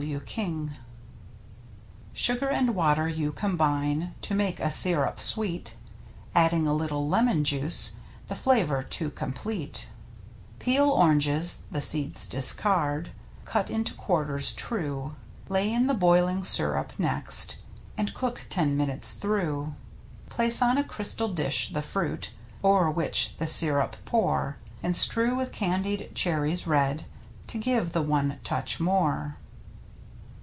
— TV. King. Sugar and water you combine To make a sirup sweet, Adding a little lemon juice, The flavor to complete. Peel oranges, the seeds discard. Cut into quarters true, Lay in the boiling sirup next. And cook ten minutes through. Place on a crystal dish the fruit. O'er which the siinip pour. And strew with candied cherries red, To give the one touch more.